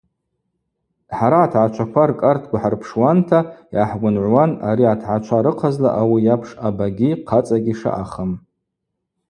Хӏара атгӏачва ркӏартква хӏырпшуанта йгӏахӏгвынгӏвуан ари атгӏачва рыхъазла ауи йапш абагьи хъацӏагьи шаъахым.